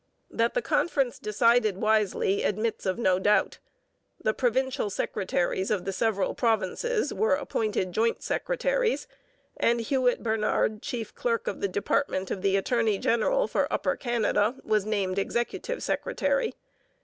That the conference decided wisely admits of no doubt. The provincial secretaries of the several provinces were appointed joint secretaries, and Hewitt Bernard, chief clerk of the department of the attorney general for Upper Canada, was named executive secretary.